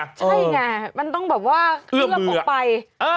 ใช่ไงมันต้องเอื้อมมือออกไป